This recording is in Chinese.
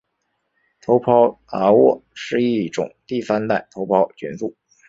头孢达肟是一种第三代头孢菌素。